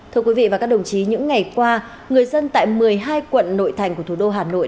thưa quý vị và các đồng chí những ngày qua người dân tại một mươi hai quận nội thành của thủ đô hà nội